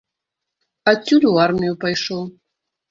Адсюль у армію пайшоў.